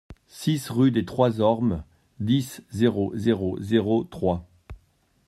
six rue des Trois Ormes, dix, zéro zéro zéro, Troyes